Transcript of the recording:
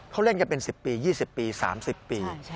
เขาเล่นกันเป็น๑๐ปี๒๐ปี๓๐ปี